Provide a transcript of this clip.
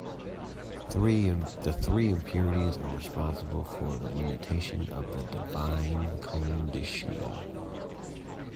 The three impurities are responsible for the limitation of the divine condition.